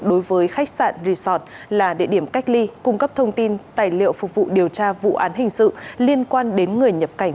đối với khách sạn resort là địa điểm cách ly cung cấp thông tin tài liệu phục vụ điều tra vụ án hình sự liên quan đến người nhập cảnh